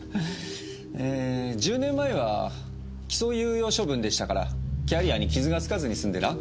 ええ１０年前は起訴猶予処分でしたからキャリアに傷が付かずに済んでラッキーでしたよ。